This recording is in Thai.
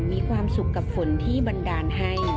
มีความสุขกับฝนที่บันดาลให้